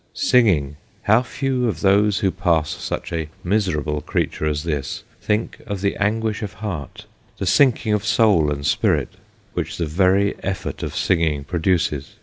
Singing ! How few of those who pass such a miserable creature as this, think of the anguish of heart, the sinking of soul and spirit, which the very effort of singing produces.